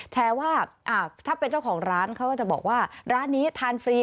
แชร์ว่าถ้าเป็นเจ้าของร้านเขาก็จะบอกว่าร้านนี้ทานฟรี